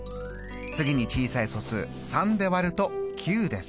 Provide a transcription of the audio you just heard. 次に小さい素数３で割ると９です。